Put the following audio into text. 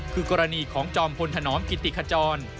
คือกรณีของจอมพลถนอมกิติขจร